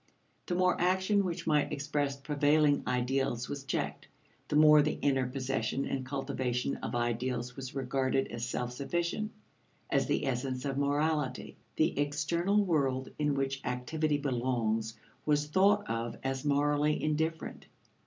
The more action which might express prevailing ideals was checked, the more the inner possession and cultivation of ideals was regarded as self sufficient as the essence of morality. The external world in which activity belongs was thought of as morally indifferent.